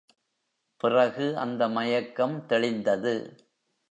பிறகு அந்த மயக்கம் தெளிந்தது.